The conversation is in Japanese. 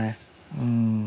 うん。